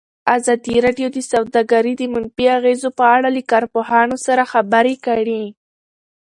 ازادي راډیو د سوداګري د منفي اغېزو په اړه له کارپوهانو سره خبرې کړي.